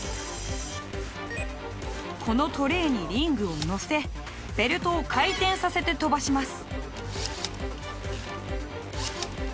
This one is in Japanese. このトレーにリングをのせベルトを回転させて飛ばします。